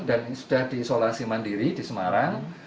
dan sudah di isolasi mandiri di semarang